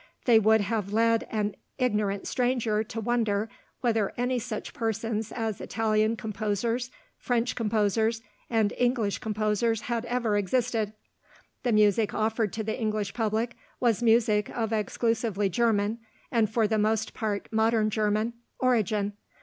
They would have led an ignorant stranger to wonder whether any such persons as Italian composers, French composers, and English composers had ever existed. The music offered to the English public was music of exclusively German (and for the most part modern German) origin.